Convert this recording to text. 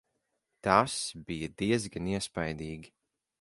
Tas bija diezgan iespaidīgi.